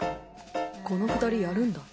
このくだりやるんだ。